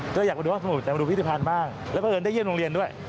ก็เลยอยากมาดูห้องสมุทรแต่มาดูพฤษภัณฑ์บ้างแล้วเพราะเอิญได้เยี่ยมโรงเรียนด้วย